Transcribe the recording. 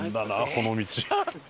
この道。